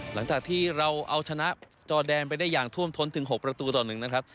หลังจากที่เราเอาชนะจอแดนไปได้อย่างท่วมท้นถึง๖ประตูต่อ๑นะครับ